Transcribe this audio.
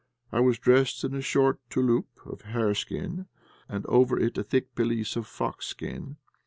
I was dressed in a short "touloup" of hareskin, and over it a thick pelisse of foxskin.